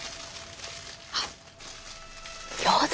あっ餃子？